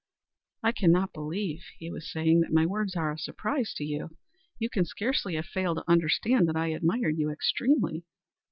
"I cannot believe," he was saying, "that my words are a surprise to you. You can scarcely have failed to understand that I admired you extremely.